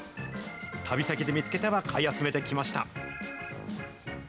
旅先で見つけては買い集めてきました。